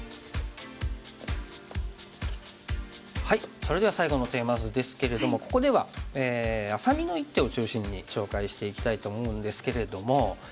それでは最後のテーマ図ですけれどもここではあさみの一手を中心に紹介していきたいと思うんですけれども。